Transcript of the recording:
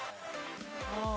ああ。